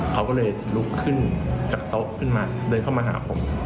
เขาก็เลยลุกขึ้นจากโต๊ะขึ้นมาเดินเข้ามาหาผม